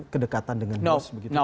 kedekatan dengan bis